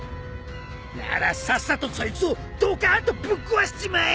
ならさっさとそいつをドカーンとぶっ壊しちまえ！